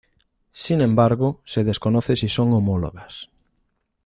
Sin embargo, se desconoce si son homólogas.